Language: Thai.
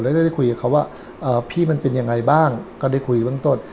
แล้วได้คุยกับเขาว่าพี่มันเป็นยังไงบ้างก็ได้คุยเบื้องต้น